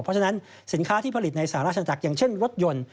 เพราะฉะนั้นสินค้าที่ผลิตในสหราชจักรอย่างเช่นรถยนต์